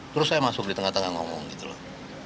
terus saya masuk di tengah tengah ngomong gitu loh